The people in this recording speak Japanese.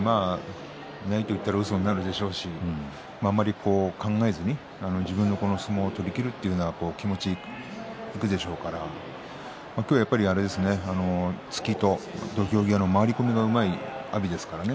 ないと言ったらうそになるでしょうしあまり考えずに自分の相撲を取りきるという気持ちでいくでしょうから今日はやっぱり突きと土俵際の回り込みがうまい阿炎ですからね